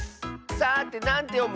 さてなんてよむ？